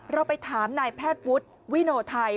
เราไปถามนายแพทย์วุฒิวิโนไทย